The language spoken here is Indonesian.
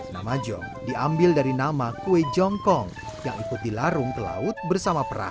nama jong diambil dari nama kue jongkong yang ikut dilarung ke laut bersama perahu